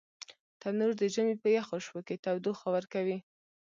تنور د ژمي په یخو شپو کې تودوخه ورکوي